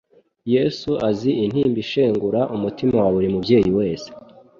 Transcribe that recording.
Yesu azi intimba ishengura umutima wa buri mubyeyi wese.